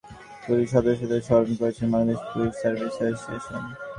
মোমবাতি জ্বালিয়ে মুক্তিযুদ্ধে শহীদ পুলিশ সদস্যদের স্মরণ করেছে বাংলাদেশ পুলিশ সার্ভিস অ্যাসোসিয়েশন।